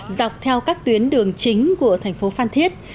dọc theo các tuyến đường chính của thành phố phan thiết